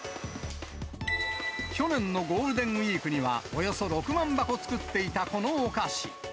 去年のゴールデンウィークには、およそ６万箱作っていたこのお菓子。